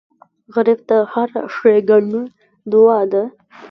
غریب ته هره ښېګڼه دعا ده